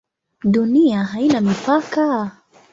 Dunia haina mipaka?